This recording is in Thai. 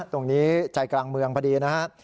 ตรงนี้ใจกลางเมืองพอดีนะครับ